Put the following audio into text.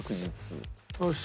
よし。